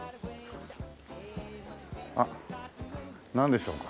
あっなんでしょうか？